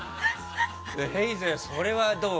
ヘイゼル、これはどう？